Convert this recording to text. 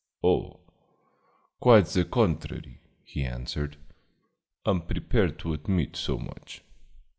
"Oh, quite the contrary," he answered. "I'm prepared to admit so much."